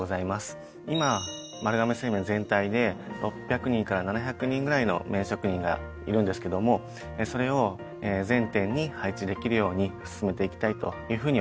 今丸亀製麺全体で６００人から７００人ぐらいの「麺職人」がいるんですけどもそれを全店に配置できるように進めていきたいというふうに思っております。